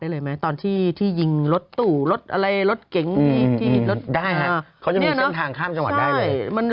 ได้เลยไหมตอนที่จีงรถสุดรถอะไรรถเก๋งใหญ่